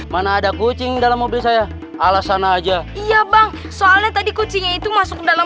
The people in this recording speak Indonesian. mana ada kucing dalam mobil saya alasan aja iya bang soalnya tadi kucingnya itu masuk dalam